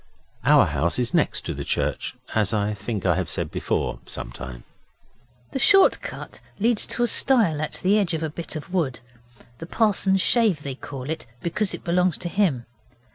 Our house is next to the church, as I think I have said before, some time. The short cut leads to a stile at the edge of a bit of wood (the Parson's Shave, they call it, because it belongs to him).